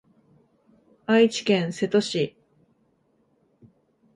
愛知県瀬戸市